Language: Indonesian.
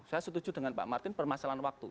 saya setuju dengan pak martin permasalahan waktu